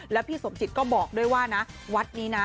แล้วพี่สมจิตก็บอกด้วยว่านะวัดนี้นะ